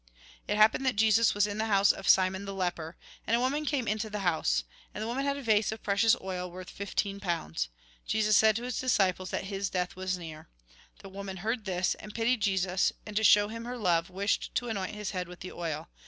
It happened that Jesus was in the house of Simon the leper. And a woman came into the house. And the woman had a vase of precious oil, worth fifteen pounds. Jesus said to his disciples, that his death was near. The woman heard this, and pitied Jesus, and, to show him her love, wished to anoint his head with the oil.